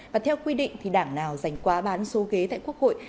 và theo quy định thì đảng nào giành quá bán số ghế tại quốc hội